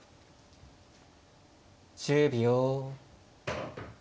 １０秒。